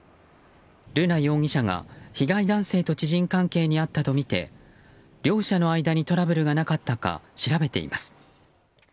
瑠奈容疑者が被害男性と知人関係にあったとみて両者の間にトラブルがなかったか調べています。